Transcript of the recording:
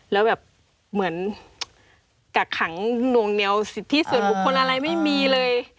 แล้วแบบเหมือนกักขังหน่วงเหนียวสิทธิส่วนบุคคลอะไรไม่มีเลย